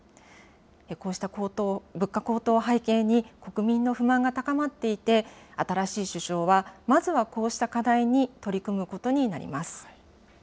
こうした物価高騰を背景に、国民の不満が高まっていて、新しい首相は、まずはこうした課題に取り組むことになります。